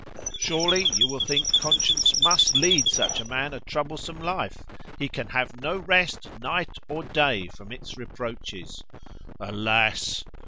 Surely, you will think conscience must lead such a man a troublesome life; he can have no rest night and day from its reproaches. "Alas!